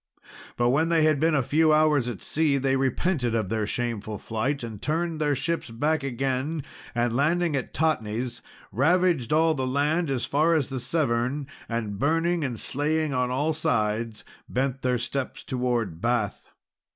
But when they had been a few hours at sea, they repented of their shameful flight, and turned their ships back again, and landing at Totnes, ravaged all the land as far as the Severn, and, burning and slaying on all sides, bent their steps towards Bath.